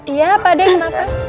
iya pak d kenapa